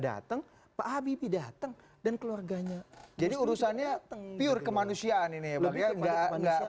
nggak dateng pak habibie dateng dan keluarganya jadi urusannya tenger kemanusiaan ini ya nggak